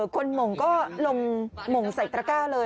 หม่งก็ลงหม่งใส่ตระก้าเลย